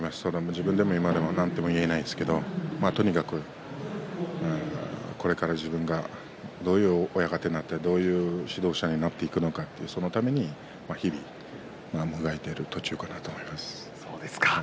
自分では今はまだなんとも言えないですけれどもこれから自分がどういう親方になってどういう指導者になっていくのかそのために日々もがいている途中かなと思います。